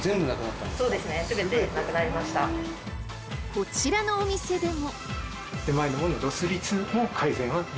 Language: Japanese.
こちらのお店でも。